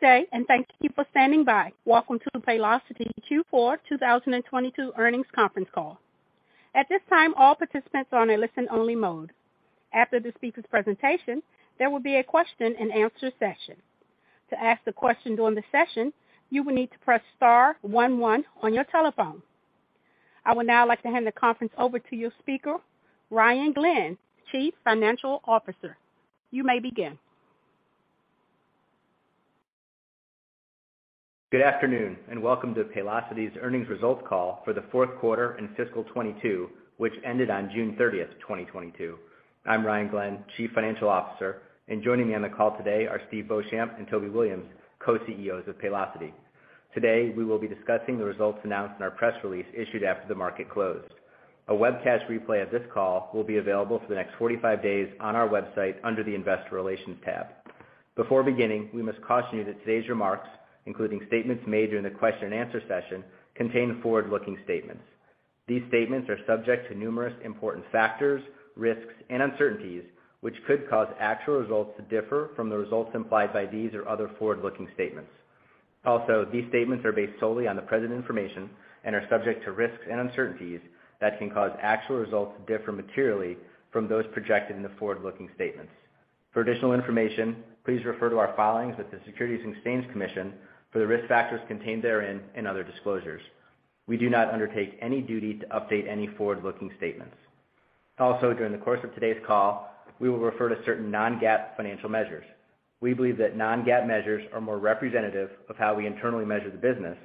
Good day, and thank you for standing by. Welcome to the Paylocity Q4 2022 Earnings Conference Call. At this time, all participants are on a listen-only mode. After the speaker's presentation, there will be a question-and-answer session. To ask the question during the session, you will need to press star one one on your telephone. I would now like to hand the conference over to your speaker, Ryan Glenn, Chief Financial Officer. You may begin. Good afternoon, and welcome to Paylocity's Earnings Results Call for the Fourth Quarter in Fiscal 2022, which ended on June 30th, 2022. I'm Ryan Glenn, Chief Financial Officer, and joining me on the call today are Steve Beauchamp and Toby Williams, Co-CEOs of Paylocity. Today, we will be discussing the results announced in our press release issued after the market closed. A webcast replay of this call will be available for the next 45 days on our website under the Investor Relations tab. Before beginning, we must caution you that today's remarks, including statements made during the question-and-answer session, contain forward-looking statements. These statements are subject to numerous important factors, risks, and uncertainties, which could cause actual results to differ from the results implied by these or other forward-looking statements. These statements are based solely on the present information and are subject to risks and uncertainties that can cause actual results to differ materially from those projected in the forward-looking statements. For additional information, please refer to our filings with the Securities and Exchange Commission for the risk factors contained therein and other disclosures. We do not undertake any duty to update any forward-looking statements. During the course of today's call, we will refer to certain non-GAAP financial measures. We believe that non-GAAP measures are more representative of how we internally measure the business,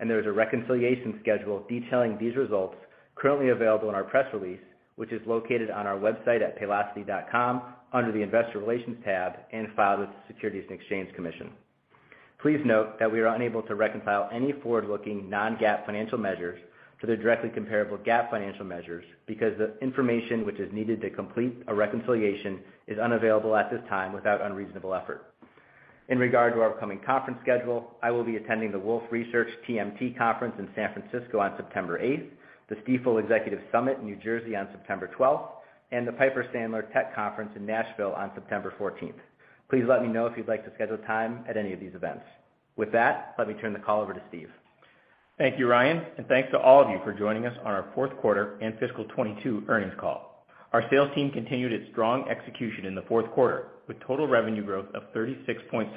and there is a reconciliation schedule detailing these results currently available in our press release, which is located on our website at Paylocity.com under the Investor Relations tab and filed with the Securities and Exchange Commission. Please note that we are unable to reconcile any forward-looking non-GAAP financial measures to their directly comparable GAAP financial measures because the information which is needed to complete a reconciliation is unavailable at this time without unreasonable effort. In regard to our upcoming conference schedule, I will be attending the Wolfe Research TMT conference in San Francisco on September 8th, the Stifel Executive Summit in New Jersey on September 12th, and the Piper Sandler Tech Conference in Nashville on September 14th. Please let me know if you'd like to schedule time at any of these events. With that, let me turn the call over to Steve. Thank you, Ryan, and thanks to all of you for joining us on our Fourth Quarter and Fiscal 2022 Earnings Call. Our sales team continued its strong execution in the fourth quarter, with total revenue growth of 36.7%,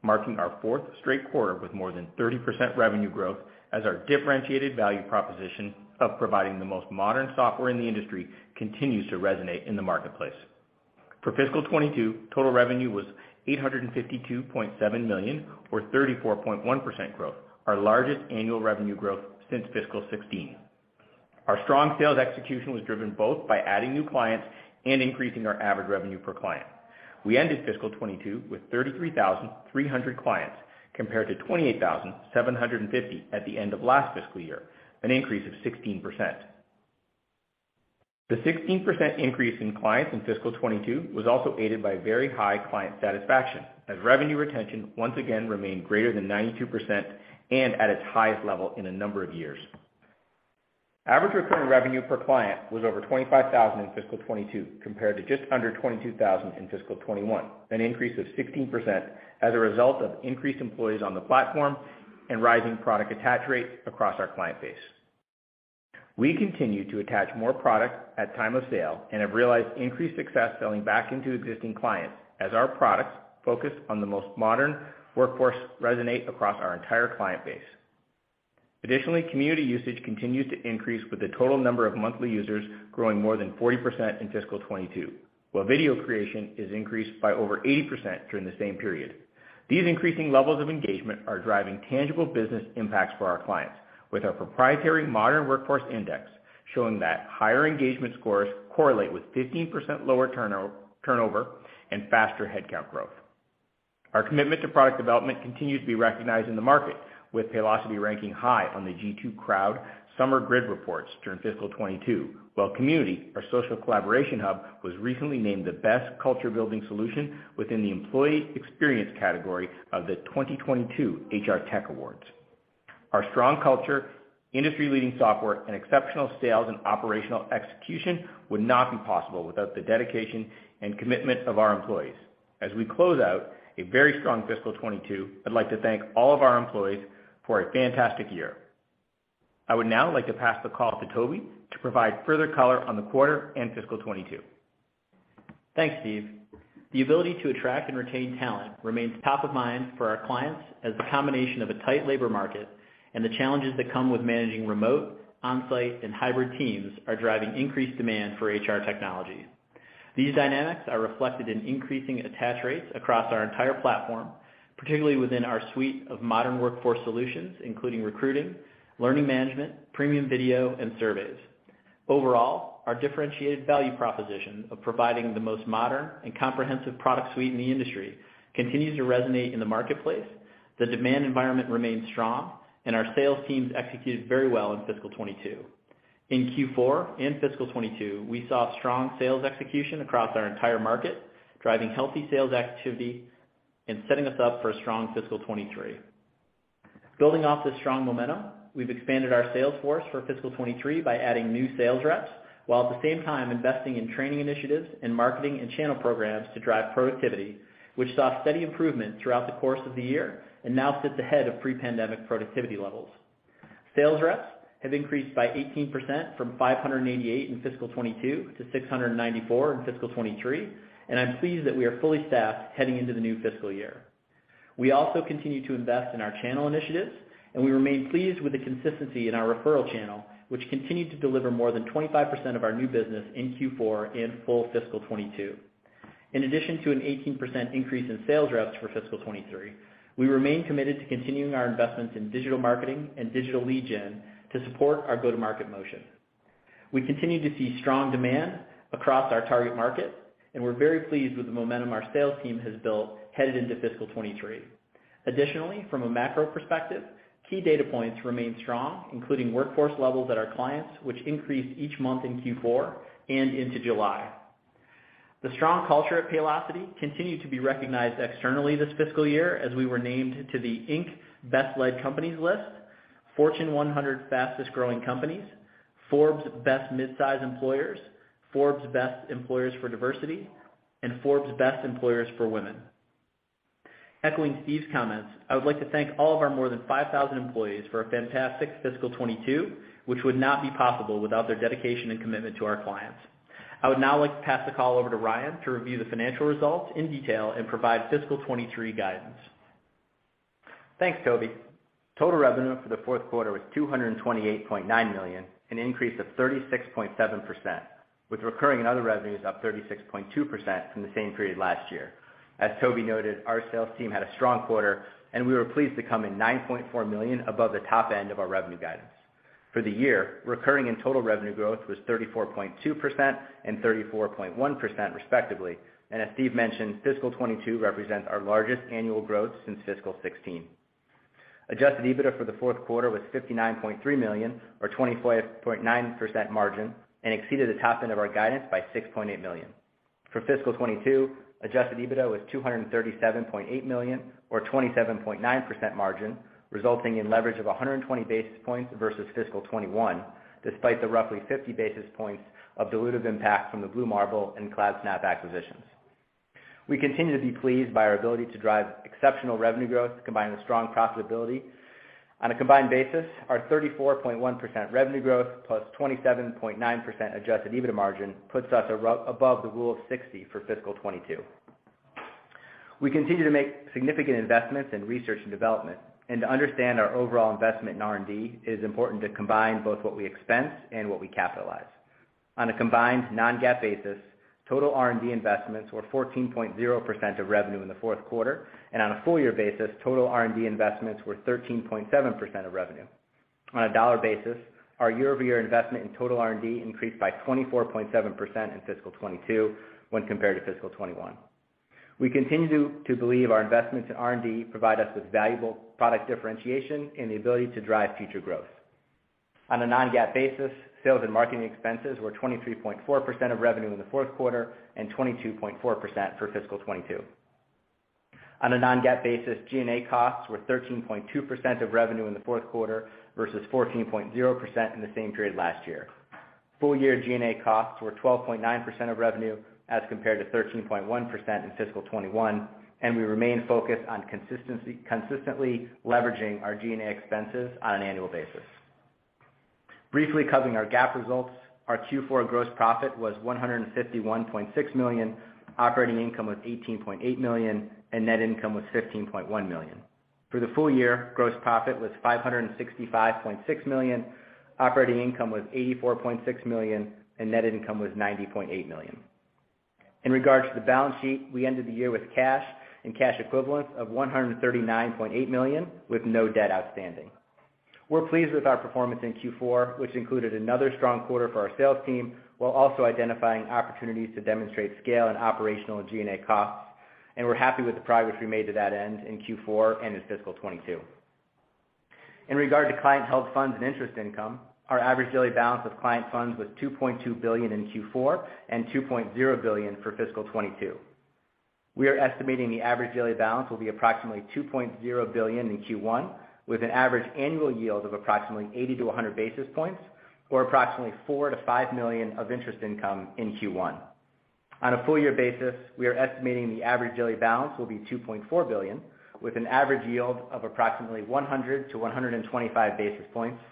marking our fourth straight quarter with more than 30% revenue growth as our differentiated value proposition of providing the most modern software in the industry continues to resonate in the marketplace. For fiscal 2022, total revenue was $852.7 million or 34.1% growth, our largest annual revenue growth since fiscal 2016. Our strong sales execution was driven both by adding new clients and increasing our average revenue per client. We ended fiscal 2022 with 33,300 clients compared to 28,750 at the end of last fiscal year, an increase of 16%. The 16% increase in clients in fiscal 2022 was also aided by very high client satisfaction, as revenue retention once again remained greater than 92% and at its highest level in a number of years. Average recurring revenue per client was over $25,000 in fiscal 2022 compared to just under $22,000 in fiscal 2021, an increase of 16% as a result of increased employees on the platform and rising product attach rate across our client base. We continue to attach more product at time of sale and have realized increased success selling back into existing clients as our products focus on the most modern workforce resonate across our entire client base. Additionally, Community usage continues to increase with the total number of monthly users growing more than 40% in fiscal 2022, while video creation is increased by over 80% during the same period. These increasing levels of engagement are driving tangible business impacts for our clients, with our proprietary Modern Workforce Index showing that higher engagement scores correlate with 15% lower turnover and faster headcount growth. Our commitment to product development continues to be recognized in the market, with Paylocity ranking high on the G2 Crowd Summer Grid Reports during fiscal 2022, while Community, our social collaboration hub, was recently named the best culture-building solution within the employee experience category of the 2022 HR Tech Awards. Our strong culture, industry-leading software, and exceptional sales and operational execution would not be possible without the dedication and commitment of our employees. As we close out a very strong fiscal 2022, I'd like to thank all of our employees for a fantastic year. I would now like to pass the call to Toby to provide further color on the quarter and fiscal 2022. Thanks, Steve. The ability to attract and retain talent remains top of mind for our clients as the combination of a tight labor market and the challenges that come with managing remote, on-site, and hybrid teams are driving increased demand for HR technologies. These dynamics are reflected in increasing attach rates across our entire platform, particularly within our suite of modern workforce solutions, including recruiting, learning management, Premium Video, and surveys. Overall, our differentiated value proposition of providing the most modern and comprehensive product suite in the industry continues to resonate in the marketplace. The demand environment remains strong, and our sales teams executed very well in fiscal 2022. In Q4 and fiscal 2022, we saw strong sales execution across our entire market, driving healthy sales activity and setting us up for a strong fiscal 2023. Building off this strong momentum, we've expanded our sales force for fiscal 2023 by adding new sales reps, while at the same time investing in training initiatives and marketing and channel programs to drive productivity, which saw steady improvement throughout the course of the year and now sits ahead of pre-pandemic productivity levels. Sales reps have increased by 18% from 588 in fiscal 2022 to 694 in fiscal 2023, and I'm pleased that we are fully staffed heading into the new fiscal year. We also continue to invest in our channel initiatives, and we remain pleased with the consistency in our referral channel, which continued to deliver more than 25% of our new business in Q4 in full fiscal 2022. In addition to an 18% increase in sales reps for fiscal 2023, we remain committed to continuing our investments in digital marketing and digital lead gen to support our go-to-market motion. We continue to see strong demand across our target market, and we're very pleased with the momentum our sales team has built headed into fiscal 2023. Additionally, from a macro perspective, key data points remain strong, including workforce levels at our clients, which increased each month in Q4 and into July. The strong culture at Paylocity continued to be recognized externally this fiscal year as we were named to the Inc. Best Led Companies list, Fortune 100 Fastest-Growing Companies, Forbes Best Midsize Employers, Forbes Best Employers for Diversity, and Forbes Best Employers for Women. Echoing Steve's comments, I would like to thank all of our more than 5,000 employees for a fantastic fiscal 2022, which would not be possible without their dedication and commitment to our clients. I would now like to pass the call over to Ryan to review the financial results in detail and provide fiscal 2023 guidance. Thanks, Toby. Total revenue for the fourth quarter was $228.9 million, an increase of 36.7%, with recurring and other revenues up 36.2% from the same period last year. As Toby noted, our sales team had a strong quarter, and we were pleased to come in $9.4 million above the top end of our revenue guidance. For the year, recurring and total revenue growth was 34.2% and 34.1% respectively. As Steve mentioned, fiscal 2022 represents our largest annual growth since fiscal 2016. Adjusted EBITDA for the fourth quarter was $59.3 million or 25.9% margin and exceeded the top end of our guidance by $6.8 million. For fiscal 2022, adjusted EBITDA was $237.8 million or 27.9% margin, resulting in leverage of 120 basis points versus fiscal 2021, despite the roughly 50 basis points of dilutive impact from the Blue Marble and Cloudsnap acquisitions. We continue to be pleased by our ability to drive exceptional revenue growth combined with strong profitability. On a combined basis, our 34.1% revenue growth plus 27.9% adjusted EBITDA margin puts us above the Rule of 60 for fiscal 2022. We continue to make significant investments in research and development. To understand our overall investment in R&D, it is important to combine both what we expense and what we capitalize. On a combined non-GAAP basis, total R&D investments were 14.0% of revenue in the fourth quarter, and on a full year basis, total R&D investments were 13.7% of revenue. On a dollar basis, our year-over-year investment in total R&D increased by 24.7% in fiscal 2022 when compared to fiscal 2021. We continue to believe our investments in R&D provide us with valuable product differentiation and the ability to drive future growth. On a non-GAAP basis, sales and marketing expenses were 23.4% of revenue in the fourth quarter and 22.4% for fiscal 2022. On a non-GAAP basis, G&A costs were 13.2% of revenue in the fourth quarter versus 14.0% in the same period last year. Full year G&A costs were 12.9% of revenue as compared to 13.1% in fiscal 2021, and we remain focused on consistency, consistently leveraging our G&A expenses on an annual basis. Briefly covering our GAAP results, our Q4 gross profit was $151.6 million, operating income was $18.8 million, and net income was $15.1 million. For the full year, gross profit was $565.6 million, operating income was $84.6 million, and net income was $90.8 million. In regards to the balance sheet, we ended the year with cash and cash equivalents of $139.8 million, with no debt outstanding. We're pleased with our performance in Q4, which included another strong quarter for our sales team, while also identifying opportunities to demonstrate scale and operational G&A costs, and we're happy with the progress we made to that end in Q4 and in fiscal 2022. In regard to client held funds and interest income, our average daily balance of client funds was $2.2 billion in Q4 and $2.0 billion for fiscal 2022. We are estimating the average daily balance will be approximately $2.0 billion in Q1, with an average annual yield of approximately 80–100 basis points or approximately $4 million-$5 million of interest income in Q1. On a full year basis, we are estimating the average daily balance will be $2.4 billion, with an average yield of approximately 100–125 basis points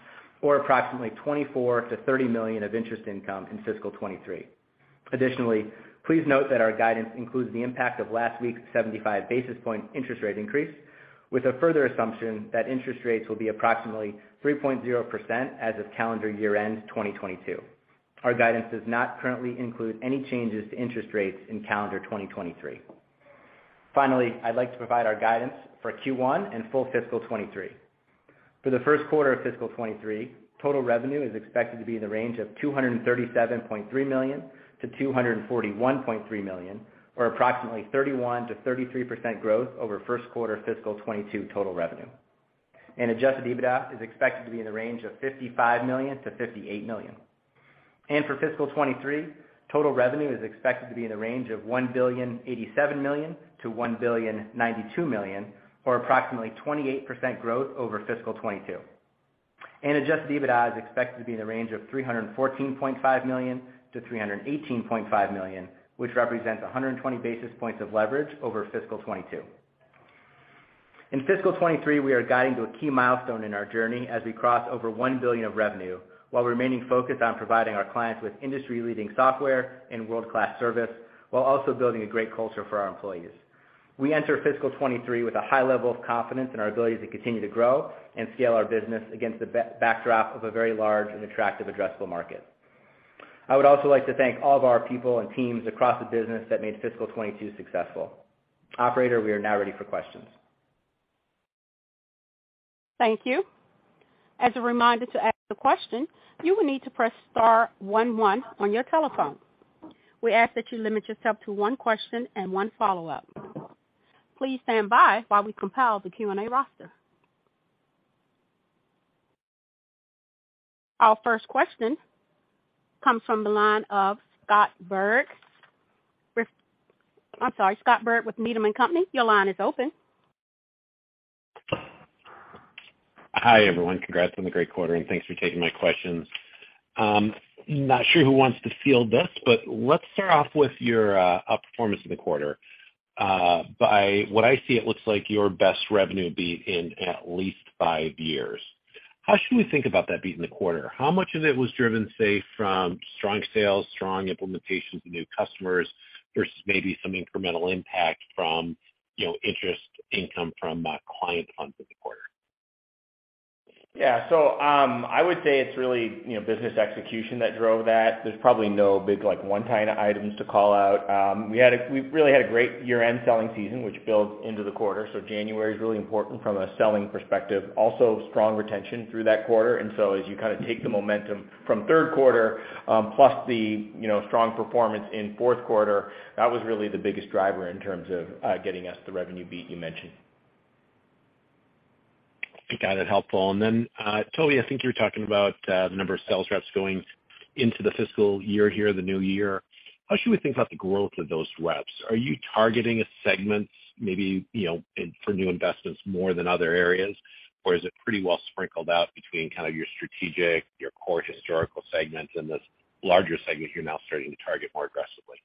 or approximately $24 million-$30 million of interest income in fiscal 2023. Additionally, please note that our guidance includes the impact of last week's 75 basis point interest rate increase, with a further assumption that interest rates will be approximately 3.0% as of calendar year-end 2022. Our guidance does not currently include any changes to interest rates in calendar 2023. Finally, I'd like to provide our guidance for Q1 and full fiscal 2023. For the first quarter of fiscal 2023, total revenue is expected to be in the range of $237.3 million-$241.3 million, or approximately 31%-33% growth over first quarter fiscal 2022 total revenue. Adjusted EBITDA is expected to be in the range of $55 million-$58 million. For fiscal 2023, total revenue is expected to be in the range of $1.087 billion-$1.092 billion, or approximately 28% growth over fiscal 2022. Adjusted EBITDA is expected to be in the range of $314.5 million-$318.5 million, which represents 120 basis points of leverage over fiscal 2022. In fiscal 2023, we are guiding to a key milestone in our journey as we cross over $1 billion of revenue while remaining focused on providing our clients with industry-leading software and world-class service while also building a great culture for our employees. We enter fiscal 2023 with a high level of confidence in our ability to continue to grow and scale our business against the backdrop of a very large and attractive addressable market. I would also like to thank all of our people and teams across the business that made fiscal 2022 successful. Operator, we are now ready for questions. Thank you. As a reminder to ask a question, you will need to press star, one, one, on your telephone. We ask that you limit yourself to one question and one follow-up. Please stand by while we compile the Q&A roster. Our first question comes from the line of Scott Berg. I'm sorry. Scott Berg with Needham & Company. Your line is open. Hi, everyone. Congrats on the great quarter, and thanks for taking my questions. Not sure who wants to field this, but let's start off with your outperformance in the quarter. By what I see, it looks like your best revenue beat in at least five years. How should we think about that beat in the quarter? How much of it was driven, say, from strong sales, strong implementations of new customers versus maybe some incremental impact from, you know, interest income from client funds in the quarter? Yeah. I would say it's really, you know, business execution that drove that. There's probably no big like one-time items to call out. We really had a great year-end selling season, which builds into the quarter. January is really important from a selling perspective. Also strong retention through that quarter. As you kind of take the momentum from third quarter, plus the, you know, strong performance in fourth quarter, that was really the biggest driver in terms of getting us the revenue beat you mentioned. I think that is helpful. Then, Toby, I think you're talking about the number of sales reps going into the fiscal year here, the new year. How should we think about the growth of those reps? Are you targeting a segment maybe, you know, in for new investments more than other areas? Or is it pretty well sprinkled out between kind of your strategic, your core historical segments, and this larger segment you're now starting to target more aggressively?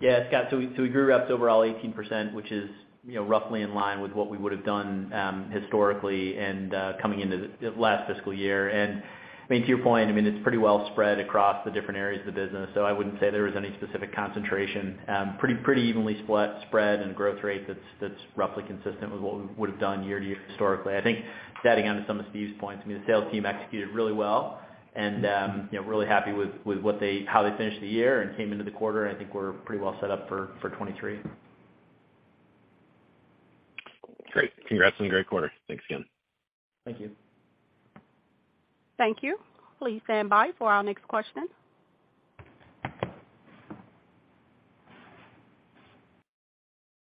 Yeah. Scott, so we grew reps overall 18%, which is, you know, roughly in line with what we would have done, historically and coming into the last fiscal year. I mean, to your point, I mean, it's pretty well spread across the different areas of the business. I wouldn't say there was any specific concentration. Pretty evenly spread and growth rate that's roughly consistent with what we would have done year-to-year historically. I think, adding on to some of Steve's points, I mean, the sales team executed really well and, you know, really happy with how they finished the year and came into the quarter. I think we're pretty well set up for 2023. Great. Congrats on a great quarter. Thanks again. Thank you. Thank you. Please stand by for our next question.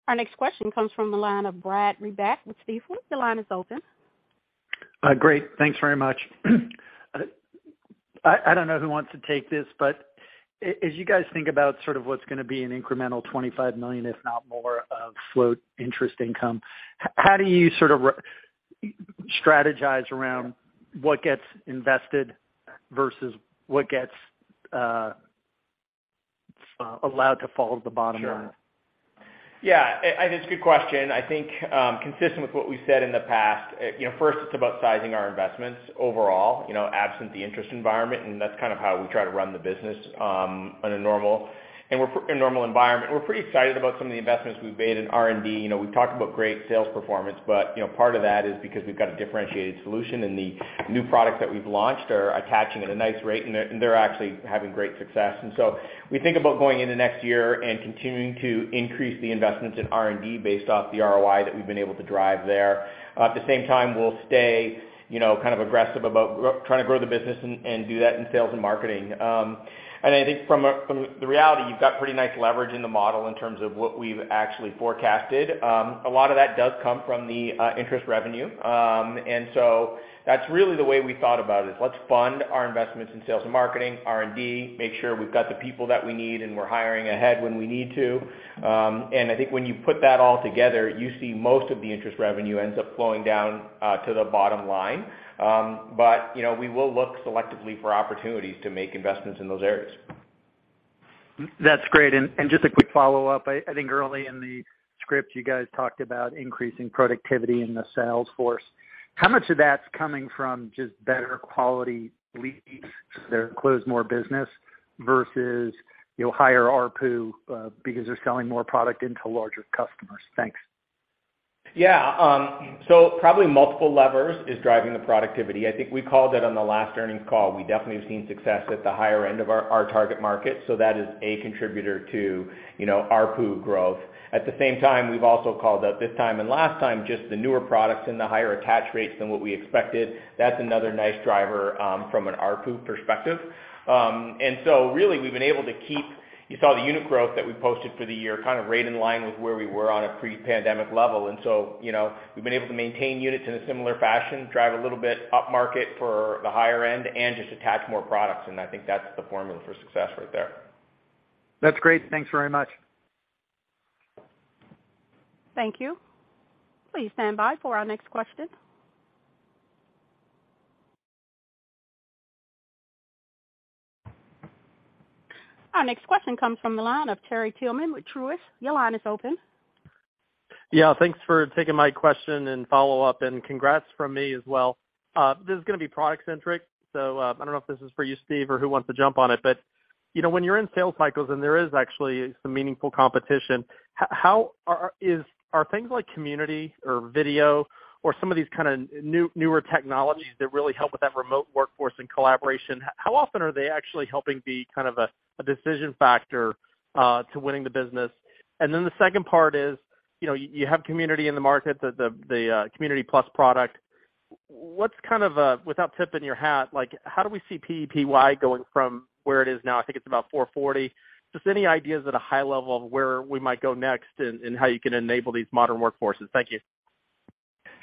Our next question comes from the line of Brad Reback with Stifel. Your line is open. Great. Thanks very much. I don't know who wants to take this, but as you guys think about sort of what's gonna be an incremental $25 million, if not more, of float interest income, how do you sort of strategize around what gets invested versus what gets allowed to fall to the bottom line? Sure. Yeah. I think it's a good question. I think, consistent with what we said in the past, you know, first it's about sizing our investments overall, you know, absent the interest environment, and that's kind of how we try to run the business, in a normal environment. We're pretty excited about some of the investments we've made in R&D. You know, we've talked about great sales performance, but, you know, part of that is because we've got a differentiated solution and the new products that we've launched are attaching at a nice rate, and they're actually having great success. We think about going into next year and continuing to increase the investments in R&D based off the ROI that we've been able to drive there. At the same time, we'll stay, you know, kind of aggressive about trying to grow the business and do that in sales and marketing. I think from the reality, you've got pretty nice leverage in the model in terms of what we've actually forecasted. A lot of that does come from the interest revenue. That's really the way we thought about it. Let's fund our investments in sales and marketing, R&D, make sure we've got the people that we need, and we're hiring ahead when we need to. I think when you put that all together, you see most of the interest revenue ends up flowing down to the bottom line. You know, we will look selectively for opportunities to make investments in those areas. That's great. Just a quick follow-up. I think early in the script, you guys talked about increasing productivity in the sales force. How much of that's coming from just better quality leads that close more business versus, you know, higher ARPU because they're selling more product into larger customers? Thanks. Yeah. So probably, multiple levers is driving the productivity. I think we called it on the last earnings call. We definitely have seen success at the higher end of our target market, so that is a contributor to, you know, ARPU growth. At the same time, we've also called out this time and last time just the newer products and the higher attach rates than what we expected. That's another nice driver from an ARPU perspective. Really, we've been able to keep, you saw the unit growth that we posted for the year kind of right in line with where we were on a pre-pandemic level. You know, we've been able to maintain units in a similar fashion, drive a little bit upmarket for the higher end, and just attach more products. I think that's the formula for success right there. That's great. Thanks very much. Thank you. Please stand by for our next question. Our next question comes from the line of Terry Tillman with Truist. Your line is open. Yeah, thanks for taking my question and follow-up, and congrats from me as well. This is gonna be product-centric, so, I don't know if this is for you, Steve, or who wants to jump on it. You know, when you're in sales cycles and there is actually some meaningful competition, how are things like Community or Video or some of these kinda new, newer technologies that really help with that remote workforce and collaboration, how often are they actually helping be kind of a decision factor to winning the business? The second part is, you know, you have Community in the market, the Community Plus product. What's kind of a, without tipping your hat, like, how do we see PEPY going from where it is now? I think it's about $440. Just any ideas at a high level of where we might go next and how you can enable these modern workforces? Thank you.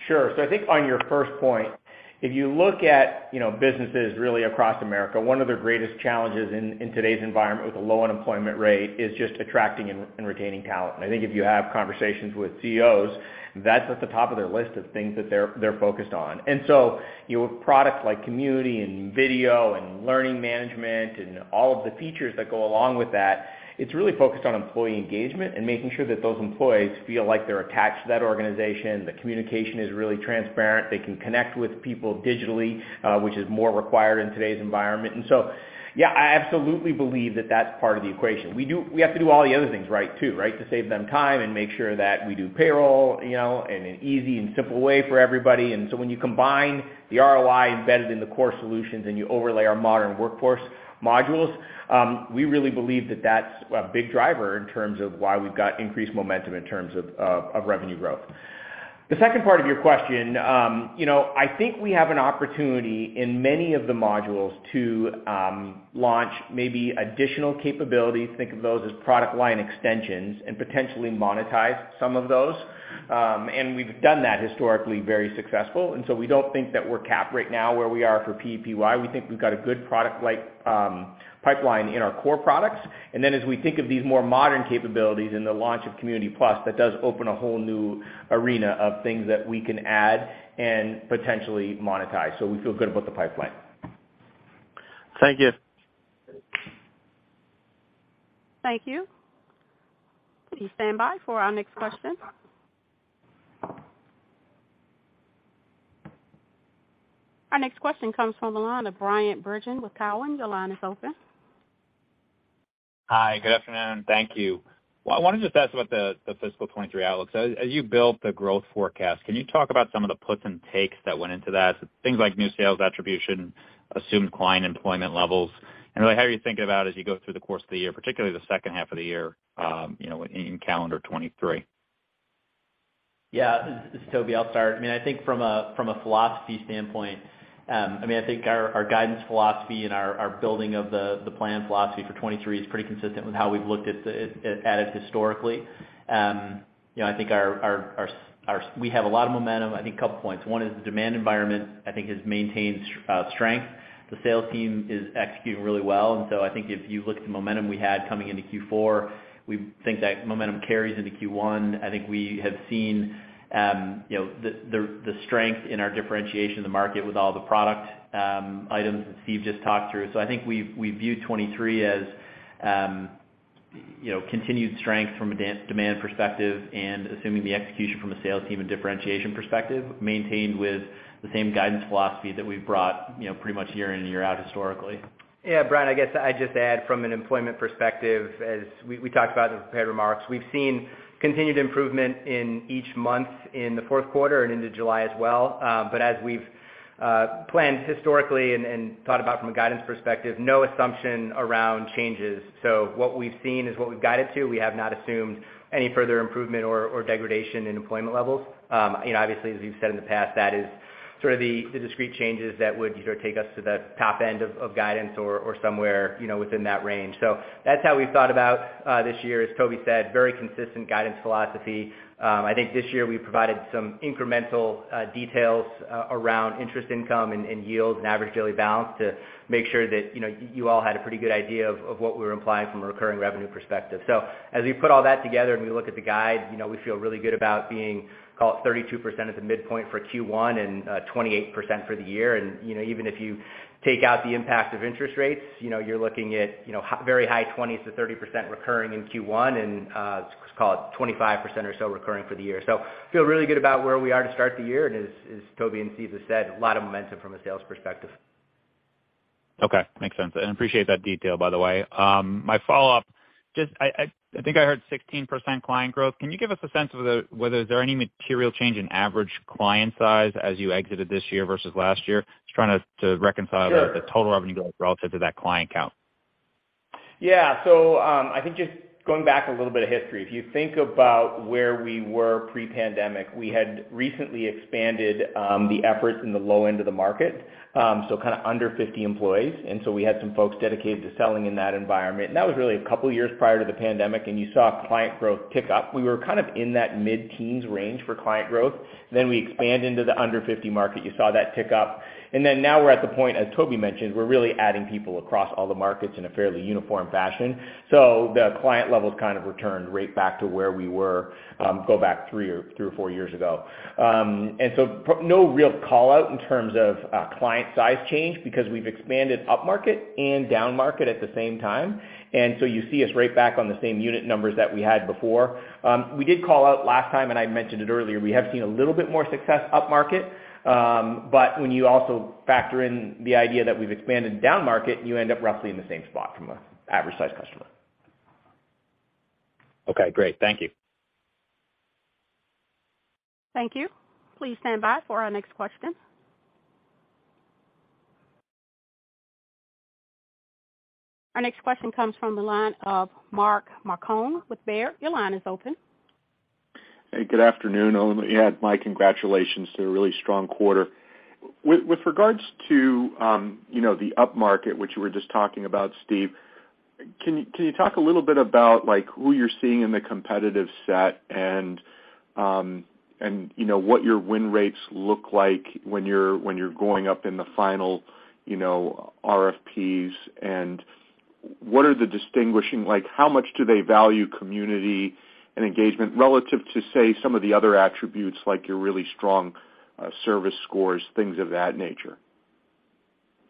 Sure. I think on your first point, if you look at, you know, businesses really across America, one of their greatest challenges in today's environment with a low unemployment rate is just attracting and retaining talent. I think if you have conversations with CEOs, that's at the top of their list of things that they're focused on. You know, with products like Community and Video and Learning Management and all of the features that go along with that, it's really focused on employee engagement and making sure that those employees feel like they're attached to that organization, the communication is really transparent, they can connect with people digitally, which is more required in today's environment. Yeah, I absolutely believe that that's part of the equation. We have to do all the other things right too, right? To save them time and make sure that we do payroll, you know, in an easy and simple way for everybody. When you combine the ROI embedded in the core solutions and you overlay our modern workforce modules, we really believe that that's a big driver in terms of why we've got increased momentum in terms of of revenue growth. The second part of your question, you know, I think we have an opportunity in many of the modules to launch maybe additional capabilities, think of those as product line extensions, and potentially monetize some of those. We've done that, historically very successful. We don't think that we're capped right now where we are for PEPY. We think we've got a good product life pipeline in our core products. As we think of these more modern capabilities in the launch of Community Plus, that does open a whole new arena of things that we can add and potentially monetize. We feel good about the pipeline. Thank you. Thank you. Please stand by for our next question. Our next question comes from the line of Bryan Bergin with TD Cowen. Your line is open. Hi, good afternoon. Thank you. Well, I wanted to just ask about the fiscal 2023 outlook. As you built the growth forecast, can you talk about some of the puts and takes that went into that? Things like new sales attribution, assumed client employment levels, and really how you're thinking about as you go through the course of the year, particularly the second half of the year, you know, in calendar 2023. Yeah. This is Toby. I'll start. I mean, I think from a philosophy standpoint, I mean, I think our guidance philosophy and our building of the plan philosophy for 2023 is pretty consistent with how we've looked at it historically. You know, I think we have a lot of momentum. I think a couple points. One is the demand environment, I think, has maintained strength. The sales team is executing really well. I think if you look at the momentum we had coming into Q4, we think that momentum carries into Q1. I think we have seen, you know, the strength in our differentiation in the market with all the product items that Steve just talked through. I think we view 2023 as, you know, continued strength from a demand perspective and assuming the execution from a sales team and differentiation perspective, maintained with the same guidance philosophy that we've brought, you know, pretty much year in and year out historically. Yeah, Bryan, I guess I'd just add from an employment perspective, as we talked about in the prepared remarks, we've seen continued improvement in each month in the fourth quarter and into July as well. But as we've planned historically, and thought about from a guidance perspective, no assumption around changes. So, what we've seen is what we've guided to. We have not assumed any further improvement or degradation in employment levels. You know, obviously, as we've said in the past, that is sort of the discrete changes that would sort of take us to the top end of guidance or somewhere, you know, within that range. So that's how we've thought about this year. As Toby said, very consistent guidance philosophy. I think this year we provided some incremental details around interest income and yields and average daily balance to make sure that, you know, you all had a pretty good idea of what we were implying from a recurring revenue perspective. As we put all that together and we look at the guide, you know, we feel really good about being, call it 32% at the midpoint for Q1 and 28% for the year. You know, even if you take out the impact of interest rates, you know, you're looking at, you know, very high 20%-30% recurring in Q1 and let's call it 25% or so recurring for the year. Feel really good about where we are to start the year, and as Toby and Steve have said, a lot of momentum from a sales perspective. Okay. Makes sense, and appreciate that detail, by the way. My follow-up, just I think I heard 16% client growth. Can you give us a sense of whether there is any material change in average client size as you exited this year versus last year? Just trying to reconcile the total revenue growth relative to that client count. Yeah. I think just going back a little bit of history, if you think about where we were pre-pandemic, we had recently expanded the efforts in the low end of the market, so kinda under 50 employees. We had some folks dedicated to selling in that environment. That was really a couple years prior to the pandemic, and you saw client growth tick up. We were kind of in that mid-teens range for client growth. We expand into the under 50 market. You saw that tick up. Now we're at the point, as Toby mentioned, we're really adding people across all the markets in a fairly uniform fashion. The client levels kind of returned right back to where we were, go back three or four years ago. No real call-out in terms of client size change because we've expanded upmarket and downmarket at the same time. You see us right back on the same unit numbers that we had before. We did call out last time, and I mentioned it earlier, we have seen a little bit more success upmarket. When you also factor in the idea that we've expanded downmarket, you end up roughly in the same spot from an average size customer. Okay, great. Thank you. Thank you. Please stand by for our next question. Our next question comes from the line of Mark Marcon with Baird. Your line is open. Hey, good afternoon. I'll only add my congratulations to a really strong quarter. With regards to, you know, the upmarket, which you were just talking about, Steve, can you talk a little bit about, like, who you're seeing in the competitive set and, you know, what your win rates look like when you're going up in the final, you know, RFPs? What are the distinguishing, like, how much do they value community and engagement relative to, say, some of the other attributes, like your really strong service scores, things of that nature?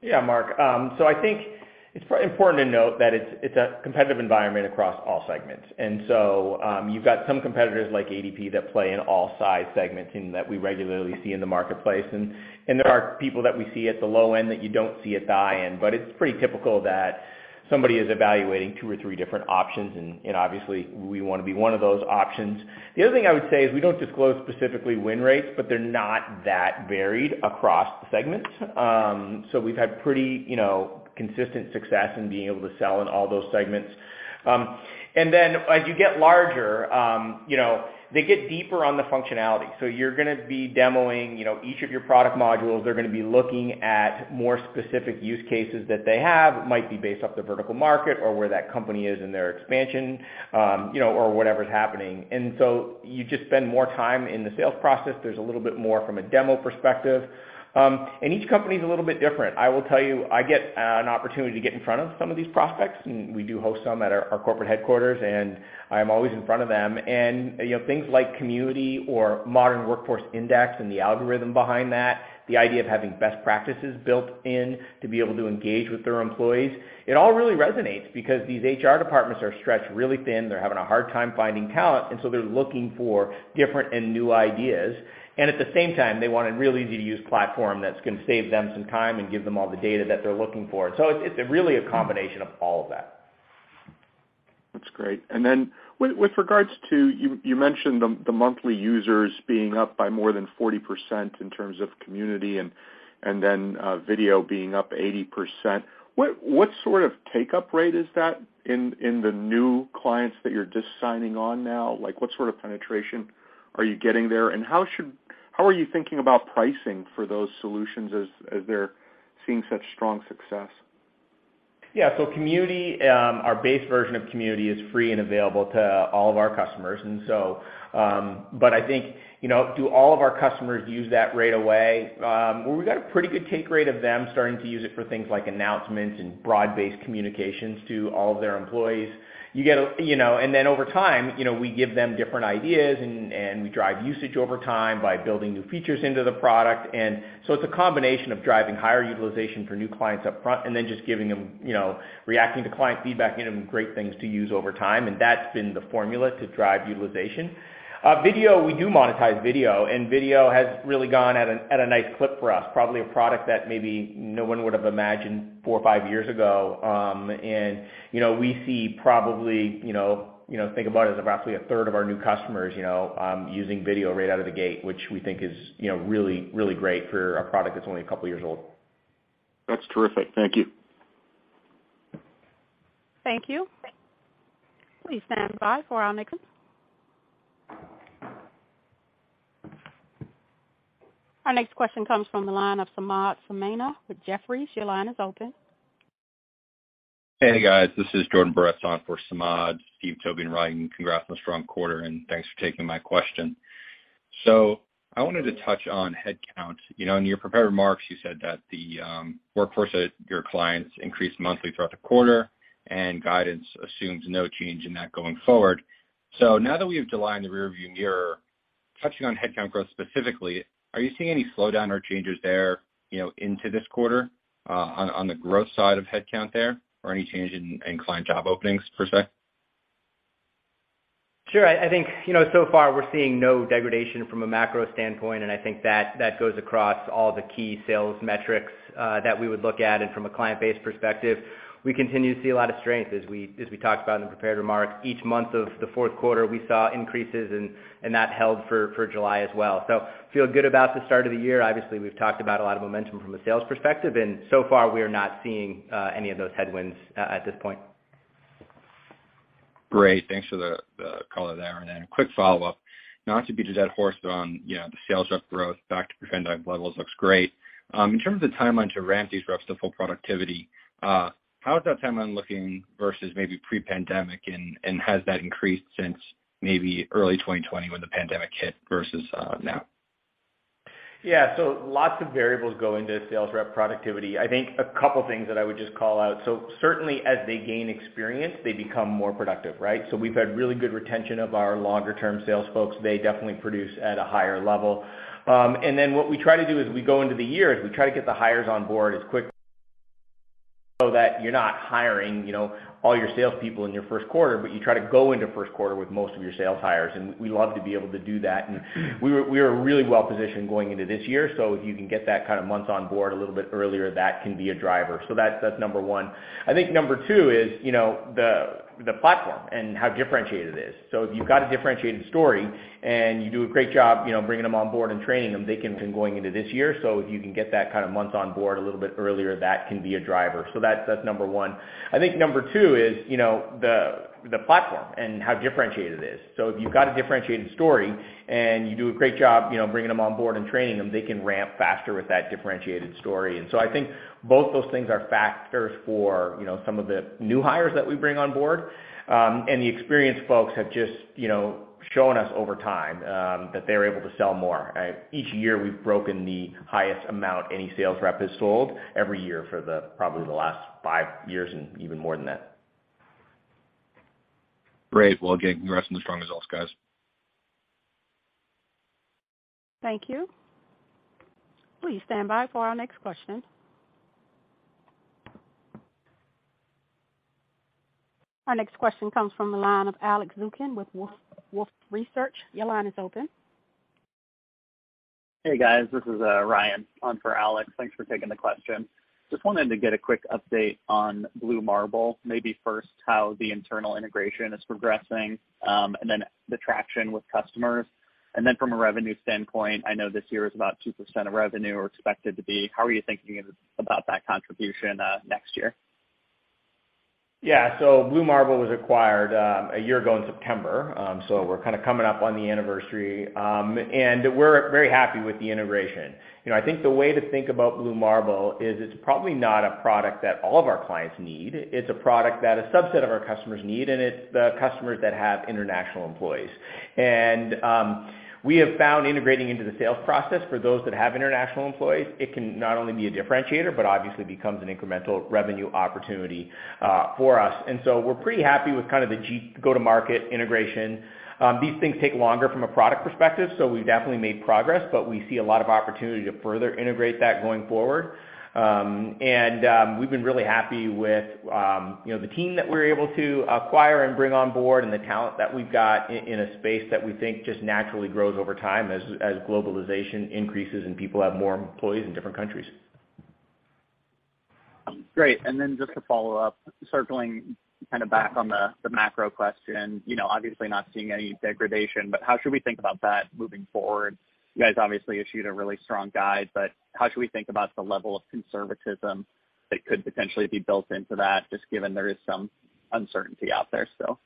Yeah, Mark. I think it's important to note that it's a competitive environment across all segments. You've got some competitors like ADP that play in all size segments and that we regularly see in the marketplace. There are people that we see at the low end that you don't see at the high end, but it's pretty typical that somebody is evaluating two or three different options and obviously we wanna be one of those options. The other thing I would say is we don't disclose specifically win rates, but they're not that varied across segments. We've had pretty consistent success in being able to sell in all those segments. As you get larger, they get deeper on the functionality. You're gonna be demoing, you know, each of your product modules. They're gonna be looking at more specific use cases that they have, might be based off the vertical market or where that company is in their expansion, you know, or whatever's happening. You just spend more time in the sales process. There's a little bit more from a demo perspective. Each company's a little bit different. I will tell you, I get an opportunity to get in front of some of these prospects, and we do host some at our corporate headquarters, and I'm always in front of them. You know, things like Community or Modern Workforce Index and the algorithm behind that, the idea of having best practices built in to be able to engage with their employees, it all really resonates because these HR departments are stretched really thin. They're having a hard time finding talent, and so they're looking for different and new ideas. At the same time, they want a real easy-to-use platform that's gonna save them some time and give them all the data that they're looking for. It's, it's really a combination of all of that. That's great. With regards to, you mentioned the monthly users being up by more than 40% in terms of Community and then Video being up 80%. What sort of take-up rate is that in the new clients that you're just signing on now? Like, what sort of penetration are you getting there? How are you thinking about pricing for those solutions as they're seeing such strong success? Yeah. Community, our base version of Community is free and available to all of our customers. I think, you know, do all of our customers use that right away? Well, we've got a pretty good take rate of them starting to use it for things like announcements and broad-based communications to all of their employees, you know, and then over time, you know, we give them different ideas and we drive usage over time by building new features into the product. It's a combination of driving higher utilization for new clients up front and then just giving them, you know, reacting to client feedback, giving them great things to use over time, and that's been the formula to drive utilization. Video, we do monetize Video, and Video has really gone at a nice clip for us, probably a product that maybe no one would've imagined four or five years ago. You know, we see probably, you know, think about it as roughly a third of our new customers, you know, using Video right out of the gate, which we think is, you know, really, really great for a product that's only a couple years old. That's terrific. Thank you. Thank you. Our next question comes from the line of Samad Samana with Jefferies. Your line is open. Hey, guys. This is Jordan Barrett on for Samad Samana. Steve, Toby, and Ryan, congrats on a strong quarter, and thanks for taking my question. I wanted to touch on headcount. You know, in your prepared remarks, you said that the workforce at your clients increased monthly throughout the quarter and guidance assumes no change in that going forward. Now that we have July in the rearview mirror, touching on headcount growth specifically, are you seeing any slowdown or changes there, you know, into this quarter, on the growth side of headcount there, or any change in client job openings, per se? Sure. I think, you know, so far we're seeing no degradation from a macro standpoint, and I think that goes across all the key sales metrics that we would look at. From a client base perspective, we continue to see a lot of strength as we talked about in the prepared remarks. Each month of the fourth quarter, we saw increases, and that held for July as well. Feel good about the start of the year. Obviously, we've talked about a lot of momentum from a sales perspective, and so far we are not seeing any of those headwinds at this point. Great. Thanks for the color there. Then a quick follow-up, not to beat a dead horse, but on, you know, the sales rep growth back to pre-pandemic levels looks great. In terms of the timeline to ramp these reps to full productivity, how is that timeline looking versus maybe pre-pandemic? Has that increased since maybe early 2020 when the pandemic hit versus now? Yeah. Lots of variables go into sales rep productivity. I think a couple things that I would just call out. Certainly, as they gain experience, they become more productive, right? We've had really good retention of our longer-term sales folks. They definitely produce at a higher level. And then what we try to do as we go into the year is we try to get the hires on board as quick so that you're not hiring, you know, all your salespeople in your first quarter, but you try to go into first quarter with most of your sales hires, and we love to be able to do that. We were really well positioned going into this year. If you can get that kind of months on board a little bit earlier, that can be a driver. That's number one. I think number two is, you know, the platform and how differentiated it is. If you've got a differentiated story and you do a great job, you know, bringing them on board and training them, they can Going into this year. If you can get that kind of months on board a little bit earlier, that can be a driver. That's number one. I think number two is, you know, the platform and how differentiated it is. If you've got a differentiated story and you do a great job, you know, bringing them on board and training them, they can ramp faster with that differentiated story. I think both those things are factors for, you know, some of the new hires that we bring on board. And the experienced folks have just, you know, shown us over time, that they're able to sell more. Each year, we've broken the highest amount any sales rep has sold every year for the, probably the last five years and even more than that. Great. Well, again, congrats on the strong results, guys. Thank you. Please stand by for our next question. Our next question comes from the line of Alex Zukin with Wolfe Research. Your line is open. Hey, guys, this is Ryan on for Alex. Thanks for taking the question. Just wanted to get a quick update on Blue Marble. Maybe first, how the internal integration is progressing, and then the traction with customers. From a revenue standpoint, I know this year is about 2% of revenue or expected to be. How are you thinking about that contribution, next year? Yeah. Blue Marble was acquired a year ago in September. We're kinda coming up on the anniversary. We're very happy with the integration. You know, I think the way to think about Blue Marble is it's probably not a product that all of our clients need. It's a product that a subset of our customers need, and it's the customers that have international employees. We have found integrating into the sales process for those that have international employees, it can not only be a differentiator, but obviously becomes an incremental revenue opportunity for us. We're pretty happy with kind of the go-to-market integration. These things take longer from a product perspective, so we've definitely made progress, but we see a lot of opportunity to further integrate that going forward. We've been really happy with, you know, the team that we're able to acquire and bring on board and the talent that we've got in a space that we think just naturally grows over time as globalization increases and people have more employees in different countries. Great. Just to follow up, circling kind of back on the macro question. You know, obviously, not seeing any degradation, but how should we think about that moving forward? You guys, obviously issued a really strong guide, but how should we think about the level of conservatism that could potentially be built into that, just given there is some uncertainty out there still?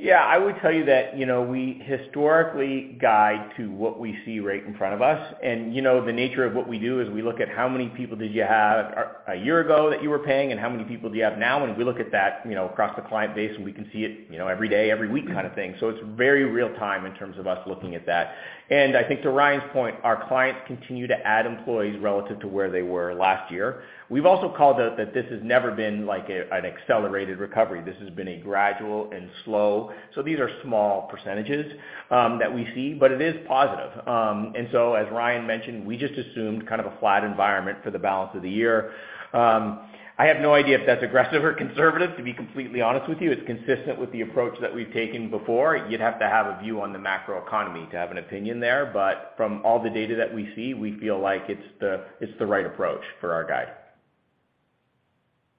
Yeah. I would tell you that, you know, we historically guide to what we see right in front of us. You know, the nature of what we do is we look at how many people did you have a year ago that you were paying and how many people do you have now? We look at that, you know, across the client base, and we can see it, you know, every day, every week kind of thing. It's very real time in terms of us looking at that. I think to Ryan's point, our clients continue to add employees relative to where they were last year. We've also called out that this has never been like an accelerated recovery. This has been a gradual and slow. These are small percentages that we see, but it is positive. As Ryan mentioned, we just assumed kind of a flat environment for the balance of the year. I have no idea if that's aggressive or conservative, to be completely honest with you. It's consistent with the approach that we've taken before. You'd have to have a view on the macroeconomy to have an opinion there. From all the data that we see, we feel like it's the right approach for our guide.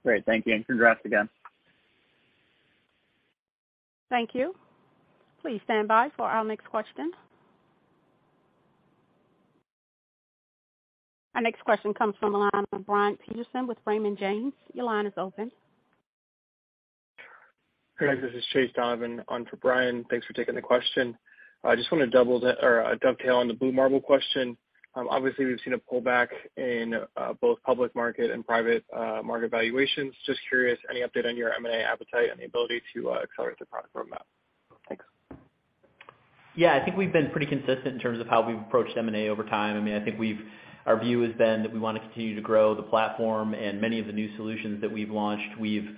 Great. Thank you, and congrats again. Thank you. Please stand by for our next question. Our next question comes from the line of Brian Peterson with Raymond James. Your line is open. Hey, guys. This is Chase Donovan on for Brian. Thanks for taking the question. I just wanna dovetail on the Blue Marble question. Obviously, we've seen a pullback in both public market and private market valuations. Just curious, any update on your M&A appetite and the ability to accelerate the product roadmap? Thanks. Yeah. I think we've been pretty consistent in terms of how we've approached M&A over time. I mean, I think our view has been that we wanna continue to grow the platform, and many of the new solutions that we've launched, we've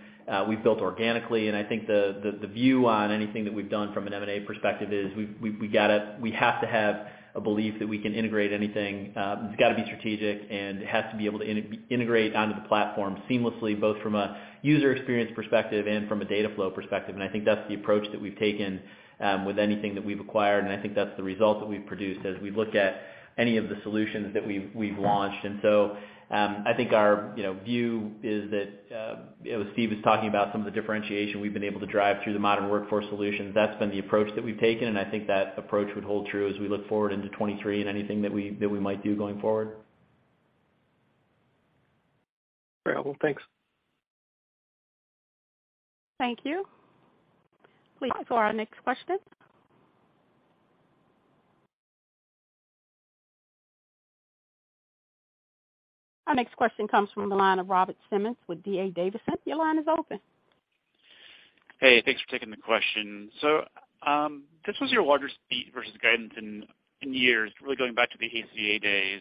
built organically. I think the view on anything that we've done from an M&A perspective is we have to have a belief that we can integrate anything. It's gotta be strategic, and it has to be able to integrate onto the platform seamlessly, both from a user experience perspective and from a data flow perspective. I think that's the approach that we've taken with anything that we've acquired. I think that's the result that we've produced as we've looked at any of the solutions that we've launched. I think our view is that, you know, as Steve was talking about some of the differentiation we've been able to drive through the modern workforce solutions, that's been the approach that we've taken. I think that approach would hold true as we look forward into 2023 and anything that we might do going forward. Thanks. Thank you. Our next question comes from the line of Robert Simmons with D.A. Davidson. Your line is open. Hey, thanks for taking the question. This was your largest beat versus guidance in years, really going back to the ACA days.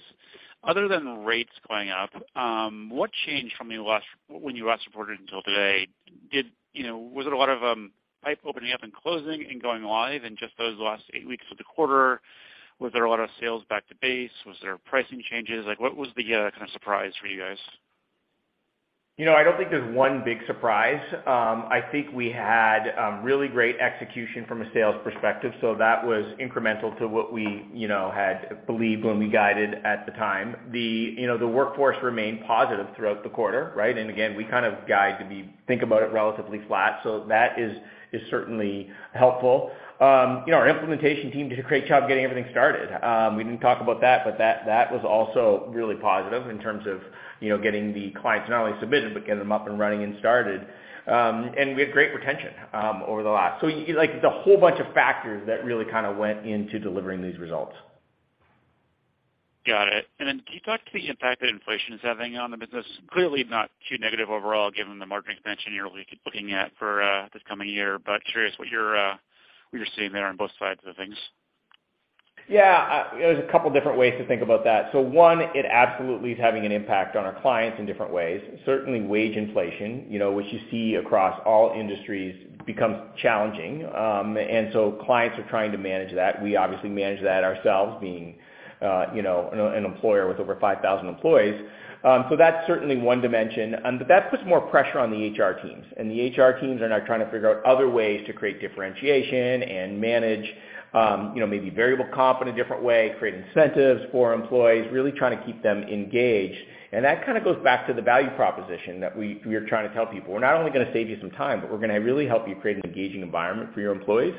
Other than rates going up, what changed when you last reported until today? You know, was it a lot of pipeline opening up and closing and going live in just those last eight weeks of the quarter? Was there a lot of sales back to base? Was there pricing changes? Like, what was the kind of surprise for you guys? You know, I don't think there's one big surprise. I think we had really great execution from a sales perspective. That was incremental to what we, you know, had believed when we guided at the time. You know, the workforce remained positive throughout the quarter, right? Again, we kind of guide to think about it relatively flat. That is certainly helpful. You know, our implementation team did a great job getting everything started. We didn't talk about that, but that was also really positive in terms of, you know, getting the clients not only submitted, but getting them up and running and started. We had great retention over the last. Like it's a whole bunch of factors that really kind of went into delivering these results. Got it. Can you talk to the impact that inflation is having on the business? Clearly, not too negative overall, given the margin expansion you're looking at for this coming year. Curious, what you're seeing there on both sides of the things. Yeah. There's a couple different ways to think about that. One, it absolutely is having an impact on our clients in different ways. Certainly, wage inflation, you know, which you see across all industries becomes challenging. Clients are trying to manage that. We obviously manage that ourselves being an employer with over 5,000 employees. That's certainly one dimension. That puts more pressure on the HR teams. The HR teams are now trying to figure out other ways to create differentiation and manage maybe variable comp in a different way, create incentives for employees, really trying to keep them engaged. That kind of goes back to the value proposition that we are trying to tell people, we're not only gonna save you some time, but we're gonna really help you create an engaging environment for your employees.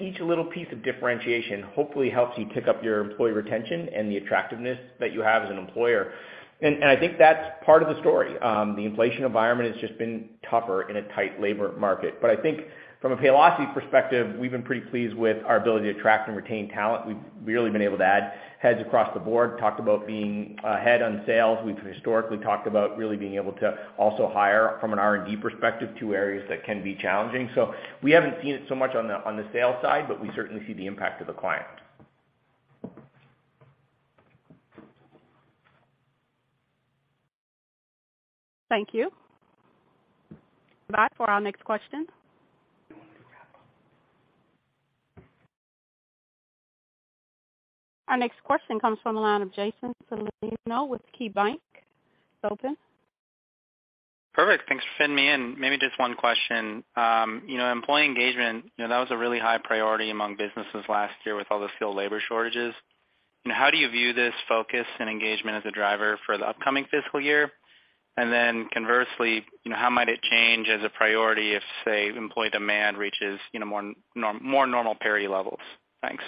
Each little piece of differentiation hopefully helps you pick up your employee retention and the attractiveness that you have as an employer. I think that's part of the story. The inflation environment has just been tougher in a tight labor market. I think from a Paylocity perspective, we've been pretty pleased with our ability to attract and retain talent. We've really been able to add heads across the board. Talked about being ahead on sales. We've historically talked about really being able to also hire from an R&D perspective, two areas that can be challenging. We haven't seen it so much on the sales side, but we certainly see the impact of the client. Thank you for our next question. Our next question comes from the line of Jason Celino with KeyBanc. Your line is open. Perfect. Thanks for fitting me in. Maybe just one question. You know, employee engagement, you know, that was a really high priority among businesses last year with all the skilled labor shortages. You know, how do you view this focus and engagement as a driver for the upcoming fiscal year? Conversely, you know, how might it change as a priority if, say, employee demand reaches, you know, more normal parity levels? Thanks.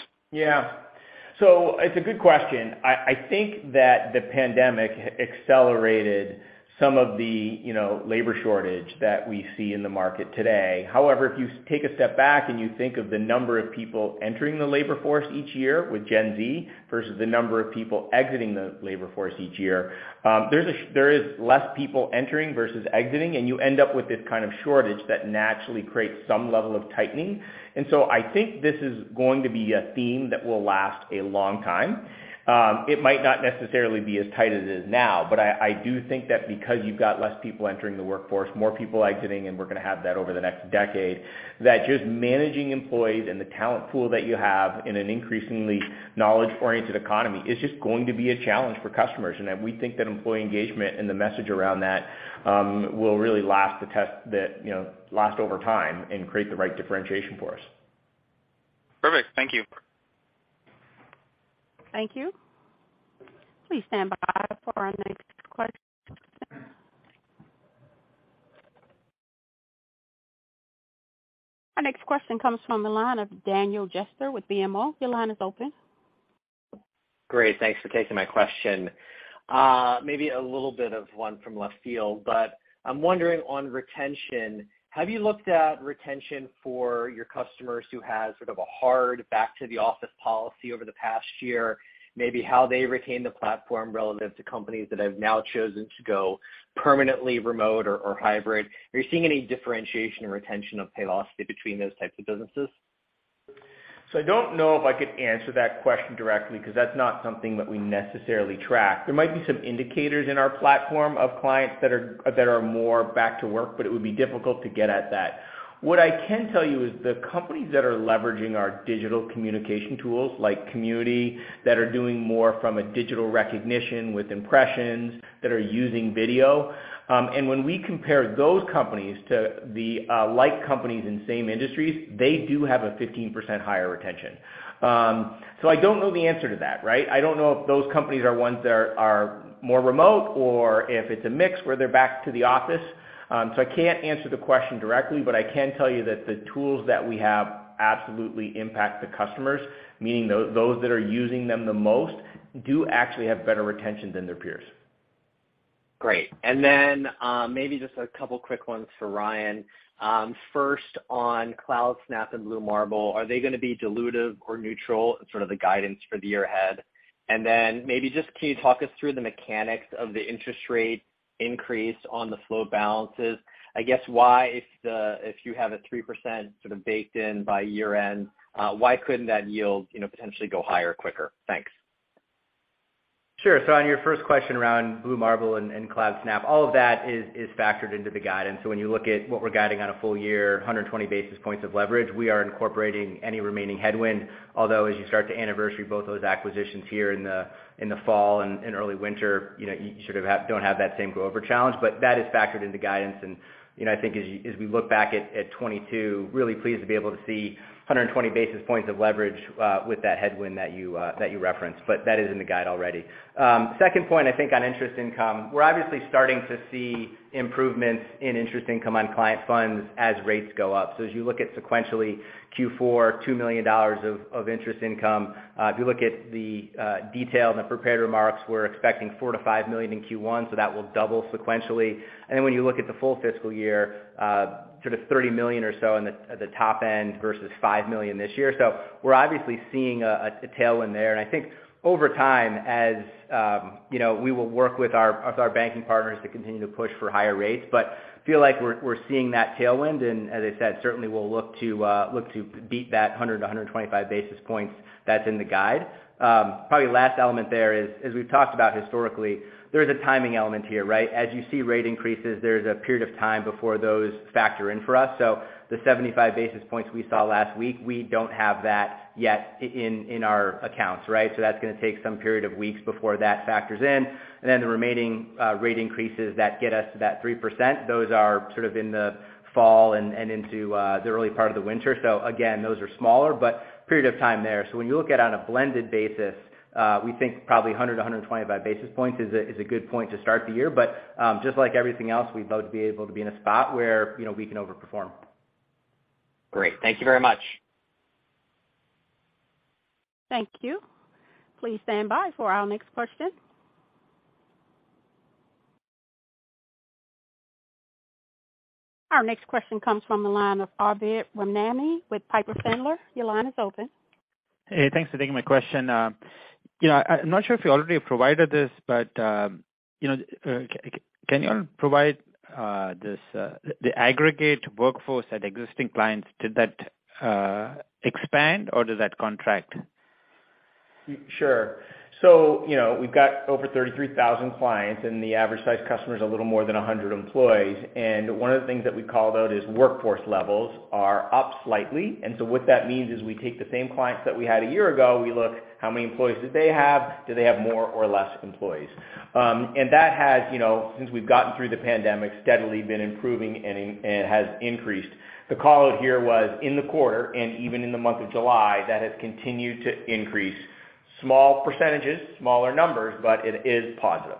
Yeah. It's a good question. I think that the pandemic accelerated some of the, you know, labor shortage that we see in the market today. However, if you take a step back and you think of the number of people entering the labor force each year with Gen Z versus the number of people exiting the labor force each year, there is less people entering versus exiting, and you end up with this kind of shortage that naturally creates some level of tightening. I think this is going to be a theme that will last a long time. It might not necessarily be as tight as it is now, but I do think that because you've got less people entering the workforce, more people exiting, and we're gonna have that over the next decade, that just managing employees and the talent pool that you have in an increasingly knowledge-oriented economy is just going to be a challenge for customers. We think that employee engagement and the message around that will really last the test that, you know, last over time and create the right differentiation for us. Perfect. Thank you. Thank you. Please stand by for our next question. Our next question comes from the line of Daniel Jester with BMO. Your line is open. Great. Thanks for taking my question. Maybe a little bit of one from left field, but I'm wondering on retention, have you looked at retention for your customers who had sort of a hard back to the office policy over the past year, maybe how they retain the platform relative to companies that have now chosen to go permanently remote or hybrid? Are you seeing any differentiation or retention of Paylocity between those types of businesses? I don't know if I could answer that question directly, because that's not something that we necessarily track. There might be some indicators in our platform of clients that are more back to work, but it would be difficult to get at that. What I can tell you is the companies that are leveraging our digital communication tools, like Community, that are doing more from a digital recognition with Impressions, that are using video, and when we compare those companies to the like companies in same industries, they do have a 15% higher retention. I don't know the answer to that, right? I don't know if those companies are ones that are more remote or if it's a mix where they're back to the office. I can't answer the question directly, but I can tell you that the tools that we have absolutely impact the customers, meaning those that are using them the most do actually have better retention than their peers. Great. Maybe just a couple quick ones for Ryan. First on Cloudsnap and Blue Marble, are they gonna be dilutive or neutral in sort of the guidance for the year ahead? Maybe just, can you talk us through the mechanics of the interest rate increase on the flow of balances? I guess why, if the, if you have a 3% sort of baked in by year-end, why couldn't that yield, you know, potentially go higher quicker? Thanks. Sure. On your first question around Blue Marble Payroll and Cloudsnap, all of that is factored into the guidance. When you look at what we're guiding on a full year, 120 basis points of leverage, we are incorporating any remaining headwind. Although as you start to anniversary both those acquisitions here in the fall and early winter, you know, you sort of don't have that same go-forward challenge. That is factored into guidance. You know, I think as we look back at 2022, really pleased to be able to see 120 basis points of leverage with that headwind that you referenced. That is in the guide already. Second point, I think on interest income, we're obviously starting to see improvements in interest income on client funds as rates go up. As you look at sequentially, Q4, $2 million of interest income. If you look at the detail in the prepared remarks, we're expecting $4 million-$5 million in Q1, so that will double sequentially. When you look at the full fiscal year, sort of $30 million or so at the top end versus $5 million this year. We're obviously seeing a tailwind there. I think over time, as you know, we will work with our banking partners to continue to push for higher rates. Feel like we're seeing that tailwind. As I said, certainly we'll look to beat that 100–125 basis points that's in the guide. Probably, last element there is, as we've talked about historically, there's a timing element here, right? As you see rate increases, there's a period of time before those factor in for us. The 75 basis points we saw last week, we don't have that yet in our accounts, right? That's gonna take some period of weeks before that factors in. Then the remaining rate increases that get us to that 3%, those are sort of in the fall and into the early part of the winter. Again, those are smaller, but period of time there. When you look at on a blended basis, we think probably 100–125 basis points is a good point to start the year. Just like everything else, we'd love to be able to be in a spot where, you know, we can overperform. Great. Thank you very much. Thank you. Please stand by for our next question. Our next question comes from the line of Arvind Ramnani with Piper Sandler. Your line is open. Hey, thanks for taking my question. You know, I'm not sure if you already provided this, but you know, can you provide the aggregate workforce at existing clients? Did that expand or does that contract? Sure. You know, we've got over 33,000 clients, and the average size customer is a little more than 100 employees. One of the things that we called out is workforce levels are up slightly. What that means is we take the same clients that we had a year ago, we look how many employees did they have? Do they have more or less employees? That has, you know, since we've gotten through the pandemic, steadily been improving and has increased. The call here was in the quarter and even in the month of July, that has continued to increase. Small percentages, smaller numbers, but it is positive.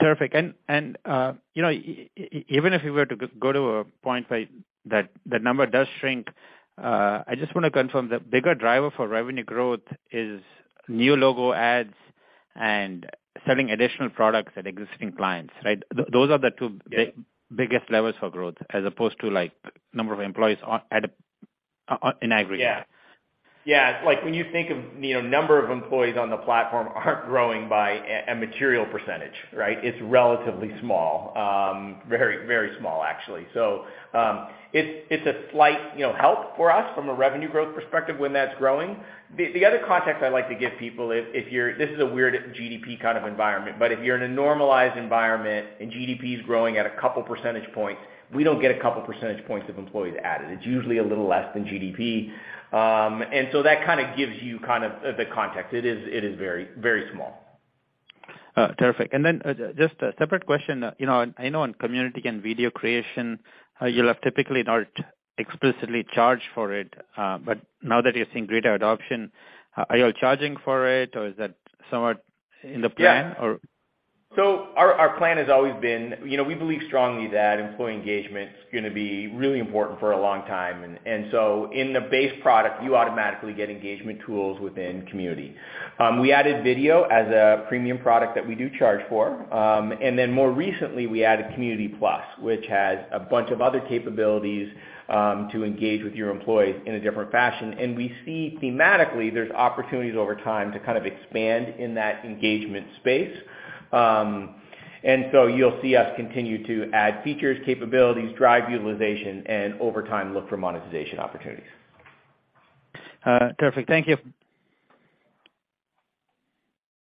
Terrific. Even if we were to go to a point where that number does shrink, you know, I just wanna confirm the bigger driver for revenue growth is new logo adds and selling additional products at existing clients, right? Those are the two biggest levers for growth as opposed to, like, number of employees on in aggregate. Yeah. It's like when you think of, you know, number of employees on the platform aren't growing by a material percentage, right? It's relatively small. Very small, actually. It's a slight, you know, help for us from a revenue growth perspective when that's growing. The other context I like to give people is this is a weird GDP kind of environment, but if you're in a normalized environment and GDP is growing at a couple percentage points, we don't get a couple percentage points of employees added. It's usually a little less than GDP. That kinda gives you kind of the context. It is very small. Terrific. Then, just a separate question. You know, I know in Community and video creation, you'll have typically not explicitly charged for it. But now that you're seeing greater adoption, are you charging for it or is that somewhat in the plan or? Yeah. Our plan has always been. You know, we believe strongly that employee engagement's gonna be really important for a long time. In the base product, you automatically get engagement tools within Community. We added video as a premium product that we do charge for. Then more recently, we added Community Plus, which has a bunch of other capabilities, to engage with your employees in a different fashion. We see thematically there's opportunities over time to kind of expand in that engagement space. You'll see us continue to add features, capabilities, drive utilization, and over time look for monetization opportunities. Perfect. Thank you.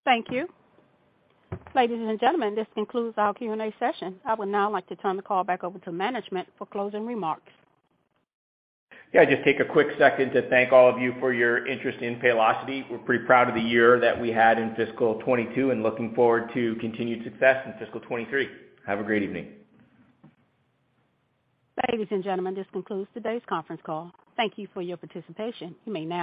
Thank you. Ladies and gentlemen, this concludes our Q&A session. I would now like to turn the call back over to management for closing remarks. Yeah, just take a quick second to thank all of you for your interest in Paylocity. We're pretty proud of the year that we had in fiscal 2022 and looking forward to continued success in fiscal 2023. Have a great evening. Ladies and gentlemen, this concludes today's conference call. Thank you for your participation. You may now disconnect.